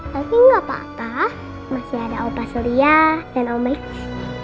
tapi gak apa apa masih ada opa surya dan om x